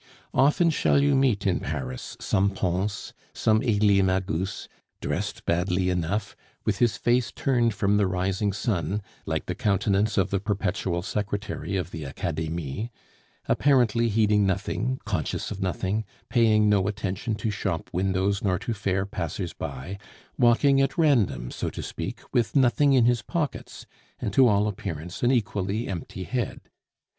Often shall you meet in Paris some Pons, some Elie Magus, dressed badly enough, with his face turned from the rising sun (like the countenance of the perpetual secretary of the Academie), apparently heeding nothing, conscious of nothing, paying no attention to shop windows nor to fair passers by, walking at random, so to speak, with nothing in his pockets, and to all appearance an equally empty head.